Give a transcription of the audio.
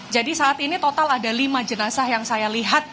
jadi saat ini total ada lima jenazah yang saya lihat